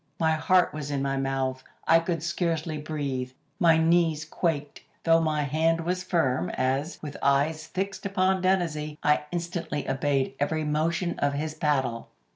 My heart was in my mouth. I could scarcely breathe. My knees quaked, though my hand was firm, as, with eyes fixed upon Dennazee, I instantly obeyed every motion of his paddle.